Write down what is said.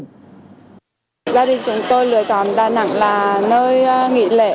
gia đình chúng tôi lựa chọn đà nẵng là nơi nghỉ lễ